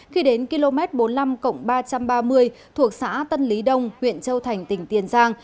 khi đến km bốn mươi năm ba trăm ba mươi thuộc xã tân lý đông huyện châu thành tỉnh tiền giang